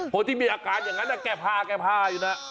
คนที่มีอาการอย่างนั้นแก่พาอยู่นะ